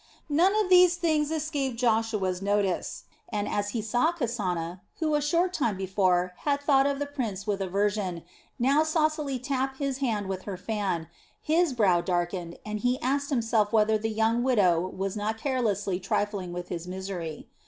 None of these things escaped Joshua's notice and, as he saw Kasana, who a short time before had thought of the prince with aversion, now saucily tap his hand with her fan, his brow darkened and he asked himself whether the young widow was not carelessly trifling with his misery.